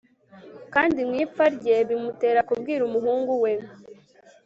kandi mu ipfa rye bimutera kubwira umuhungu we